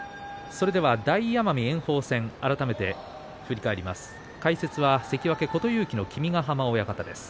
それでは大奄美、炎鵬戦改めて振り返ります。